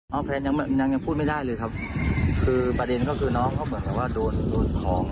เอาแฟนยังยังพูดไม่ได้เลยครับคือประเด็นก็คือน้องเขาเหมือนกับว่าโดนดูดของ